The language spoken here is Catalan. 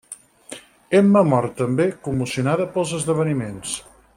Emma mor també, commocionada pels esdeveniments.